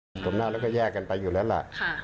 ตรงหน้าเราก็แยกกันไปอยู่แล้วล่ะ